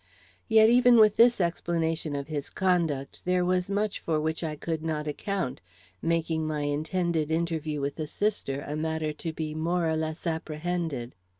Yet even with this explanation of his conduct, there was much for which I could not account, making my intended interview with the sister a matter to be more or less apprehended.